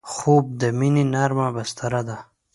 خوب د مینې نرمه بستر ده